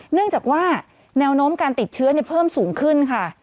เนื่องจากว่าแนวโน้มการติดเชื้อเพิ่มสูงขึ้นค่ะ